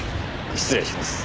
失礼します。